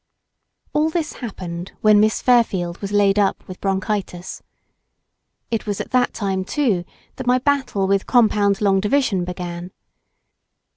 All this happened when Miss Fairfield was laid up with bronchitis. It was at that time, too, that my battle with compound long division began.